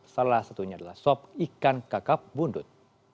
salah satunya adalah sob ikan kakak bundut